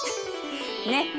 ねっ！